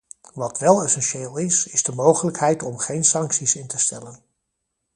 Wat wel essentieel is, is de mogelijkheid om geen sancties in te stellen.